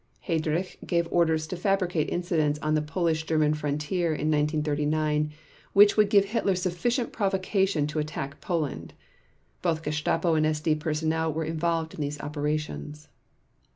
Heydrich gave orders to fabricate incidents on the Polish German frontier in 1939 which would give Hitler sufficient provocation to attack Poland. Both Gestapo and SD personnel were involved in these operations.